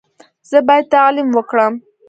زه باید تعلیم وکړم.